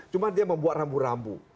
cuma dia membuat rambu rambu